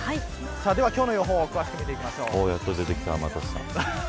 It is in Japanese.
では今日の予報詳しく見ていきましょう。